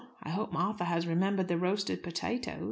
I hope Martha has remembered the roasted potatoes."